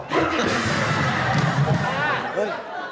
ผมบ้า